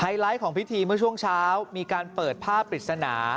ไลท์ของพิธีเมื่อช่วงเช้ามีการเปิดผ้าปริศนา